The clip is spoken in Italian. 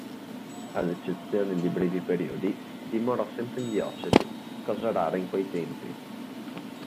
Ad eccezione di brevi periodi, dimorò sempre in diocesi, cosa rara in quei tempi.